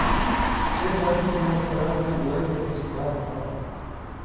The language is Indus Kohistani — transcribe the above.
چے پاتیوں نِوان٘ز کران٘لہ نہ دُعا یی تے تسبیحات دھراں،